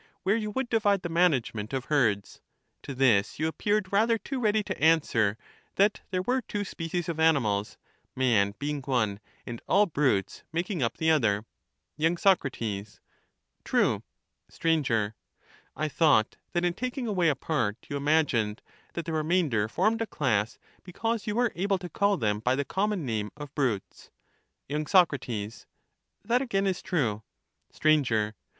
Where you would divide the management of herds. To this you ap peared rather too ready to answer that there were two species of animals ; man being one, and all brutes making up the other. Y. Soc. True. Str. I thought that in taking away a part, you imagined that the remainder formed a class, because you were able to call them by the common name of brutes. Y. Soc. That again is true. Str.